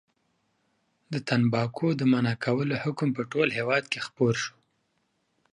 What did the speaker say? د تنباکو د منع کولو حکم په ټول هېواد کې خپور شو.